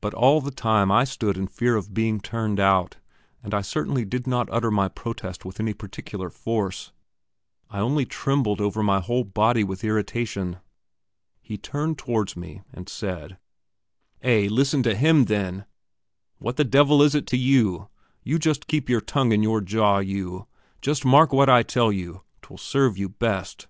But all the time I stood in fear of being turned out, and I certainly did not utter my protest with any particular force; I only trembled over my whole body with irritation. He turned towards me, and said: "Eh, listen to him, then. What the devil is it to you? You just keep your tongue in your jaw, you just mark what I tell you, 'twill serve you best."